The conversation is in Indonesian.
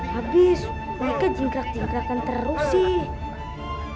habis mereka jingkrak jingkrakan terus sih